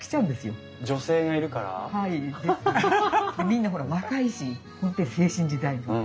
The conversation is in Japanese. みんなほら若いし本当に青春時代。